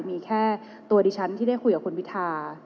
มีแค่ตัวดิฉันที่ได้คุยกับคุณพิธา